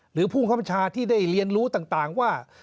หรือผู้ธรรมชาติที่ได้เรียนรู้ต่างว่า